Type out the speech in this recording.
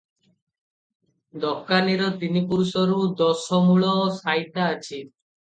ଦୋକାନୀର ତିନି ପୁରୁଷରୁ ଦଶମୂଳ ସାଇତା ଅଛି ।